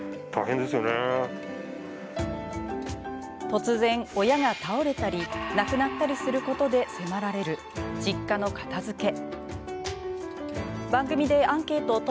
突然、親が倒れたり亡くなったりすることで迫られる実家の片づけ。